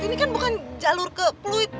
ini kan bukan jalur ke fluid